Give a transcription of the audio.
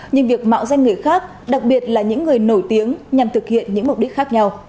nhưng việc mạo danh người khác đặc biệt là những người nổi tiếng nhằm thực hiện những mục đích khác nhau